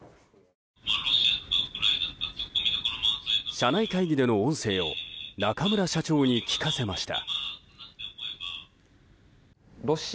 社内会議での音声を中村社長に聞かせました。